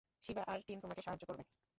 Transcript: শিবা আর টিম তোমাকে সাহায্য করবে।